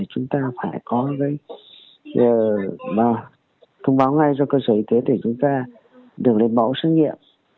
chúng ta phải thông báo ngay cho cơ sở y tế để chúng ta được lấy mẫu xét nghiệm